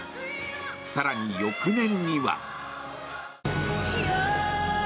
更に、翌年には。